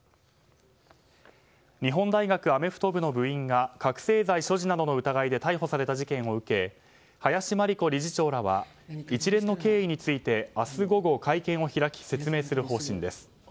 日本大学アメフト部の部員が覚醒剤所持などの疑いで逮捕された事件を受け林真理子理事長らは一連の経緯について明日午後、会見を開き説明する方針です。